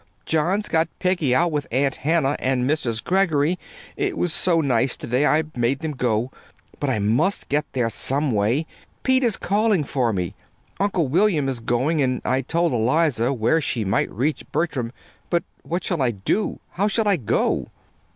John's got Peggy out with Aunt Hannah and Mrs. Greggory. It was so nice to day I made them go. But I must get there some way Pete is calling for me. Uncle William is going, and I told Eliza where she might reach Bertram; but what shall I do? How shall I go?"